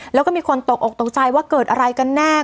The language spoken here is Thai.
และก็มีคนตกอกตกใจว่าเกิดอะไรกันทุกคน